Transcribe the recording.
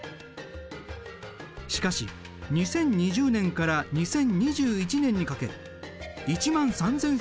しかし２０２０年から２０２１年にかけ１万３，０００